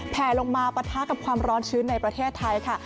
แผลลงมาปะทะกับความร้อนชื้นในประเทศไทยค่ะ